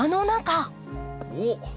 おっ！